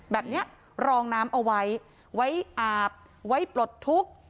แบบนี้รองน้ำเอาไว้ไว้อาบไว้ปลดทุกข์